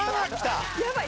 やばい。